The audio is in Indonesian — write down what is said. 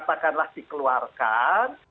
langsung katakanlah dikeluarkan